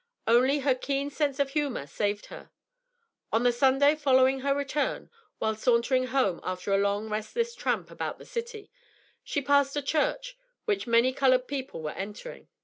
Only her keen sense of humour saved her. On the Sunday following her return, while sauntering home after a long restless tramp about the city, she passed a church which many coloured people were entering.